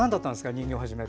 人形を始める。